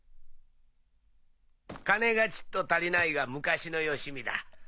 金がちっと足りないが昔のよしみだ。